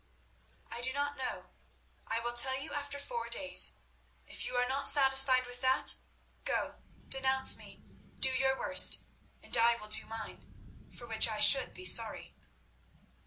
"I do not know. I will tell you after four days. If you are not satisfied with that, go, denounce me, do your worst, and I will do mine, for which I should be sorry."